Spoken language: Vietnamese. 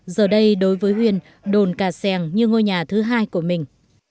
giờ đây đối với huyên đồn cà sèn như ngôi nhà thứ hai của mình